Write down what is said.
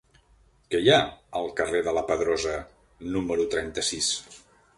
Què hi ha al carrer de la Pedrosa número trenta-sis?